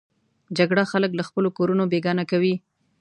جګړه خلک له خپلو کورونو بېګانه کوي